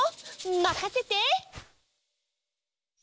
まかせて！